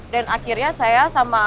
dan akhirnya saya sama